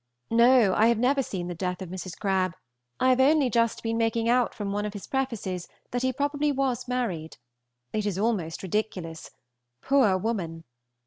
No; I have never seen the death of Mrs. Crabbe. I have only just been making out from one of his prefaces that he probably was married. It is almost ridiculous. Poor woman!